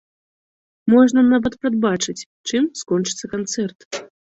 Можна нават прадбачыць, чым скончыцца канцэрт.